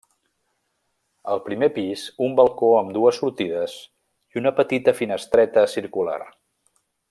El primer pis un balcó amb dues sortides i una petita finestreta circular.